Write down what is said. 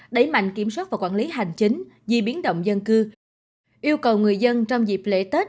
đẩy mạnh kiểm soát và quản lý hành chính di biến động dân cư yêu cầu người dân trong dịp lễ tết